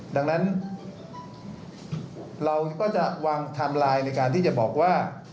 ดังนั้นเราก็จะวางไทม์ไลน์ในการที่จะบอกว่า